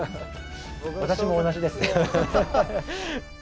私も同じです。